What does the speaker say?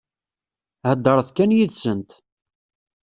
Heḍṛet kan yid-sent.